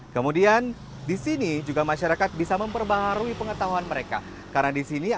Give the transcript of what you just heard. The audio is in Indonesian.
kemudian di sini juga masyarakat bisa melakukan